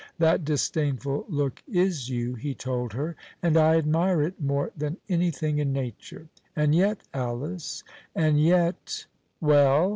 "That disdainful look is you," he told her, "and I admire it more than anything in nature; and yet, Alice, and yet " "Well?"